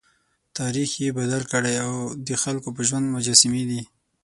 تاریخ یې بدل کړی او د خلکو په ژوند مجسمې دي.